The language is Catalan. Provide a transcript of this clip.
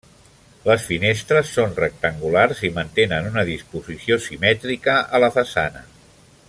Les finestres són rectangulars i mantenen una disposició simètrica a la façana.